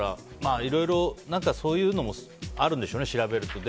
いろいろそういうのもあるんでしょうね、調べると。